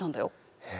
へえ。